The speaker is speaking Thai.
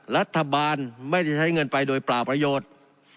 รัฐบาลไม่ได้ใช้เงินไปโดยเปล่าประโยชน์